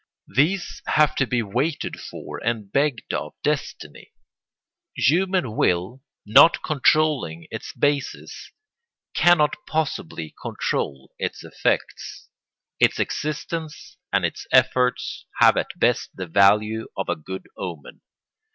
These have to be waited for and begged of destiny; human will, not controlling its basis, cannot possibly control its effects. Its existence and its efforts have at best the value of a good omen.